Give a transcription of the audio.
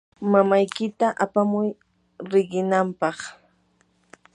mamaykita apamuy riqinaapaq.